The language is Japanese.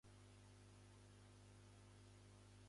向こう岸へ渡る